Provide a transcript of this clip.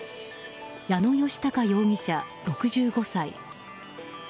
矢野義隆容疑者、６５歳。